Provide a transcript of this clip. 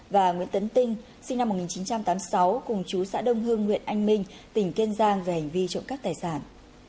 và nguyễn tấn tinh sinh năm một nghìn chín trăm tám mươi sáu cùng chú xã đông hưng huyện anh minh tỉnh kiên giang về hành vi trộm cắp tài sản